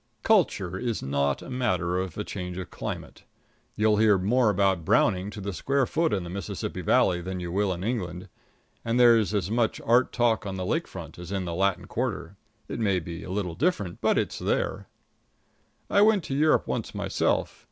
Culture is not a matter of a change of climate. You'll hear more about Browning to the square foot in the Mississippi Valley than you will in England. And there's as much Art talk on the Lake front as in the Latin Quarter. It may be a little different, but it's there. I went to Europe once myself.